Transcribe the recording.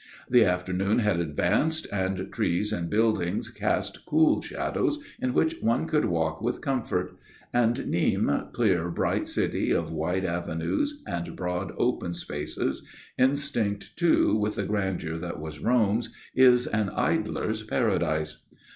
The afternoon had advanced, and trees and buildings cast cool shadows in which one could walk with comfort; and Nîmes, clear, bright city of wide avenues and broad open spaces, instinct too with the grandeur that was Rome's, is an idler's Paradise.